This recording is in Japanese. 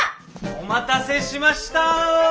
お待たせしました。